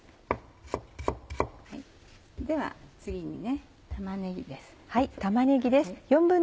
では次に玉ねぎです。